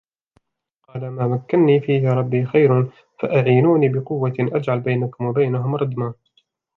قَالَ مَا مَكَّنِّي فِيهِ رَبِّي خَيْرٌ فَأَعِينُونِي بِقُوَّةٍ أَجْعَلْ بَيْنَكُمْ وَبَيْنَهُمْ رَدْمًا